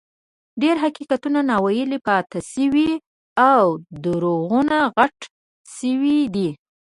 ډېر حقیقتونه ناویلي پاتې شوي او دروغونه غټ شوي دي.